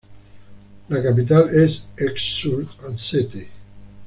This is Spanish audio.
La capital es Esch-sur-Alzette.